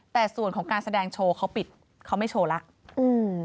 แต่ส่วนของการแสดงโชว์เขาปิดเขาไม่โชว์แล้วอืม